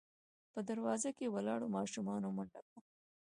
په دروازه کې ولاړو ماشومانو منډه کړه.